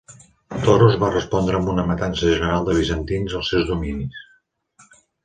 Toros va respondre amb una matança general de bizantins als seus dominis.